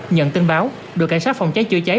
nhận tin báo đội cảnh sát phòng cháy chữa cháy